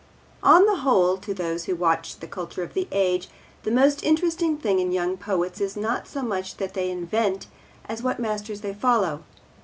On the whole, to those who watch the culture of the age, the most interesting thing in young poets is not so much what they invent as what masters they follow.